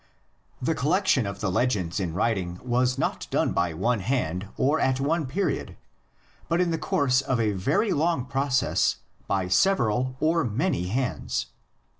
The collection of the legends in writing was not done by one hand or at one period, but in the course of a very long process by several or many hands.